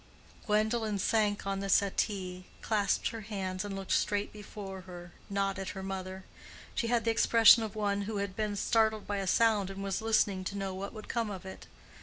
Gwendolen sank on the settee, clasped her hands, and looked straight before her, not at her mother. She had the expression of one who had been startled by a sound and was listening to know what would come of it.